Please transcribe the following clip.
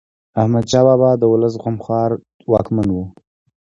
احمد شاه بابا د ولس غمخوار واکمن و.